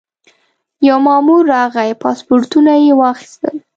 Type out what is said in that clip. یو مامور راغی پاسپورټونه یې واخیستل.